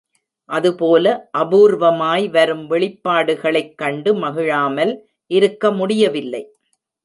அதுபோல அபூர்வமாய் வரும் வெளிப்பாடுகளைக் கண்டு மகிழாமல் இருக்க முடியவில்லை.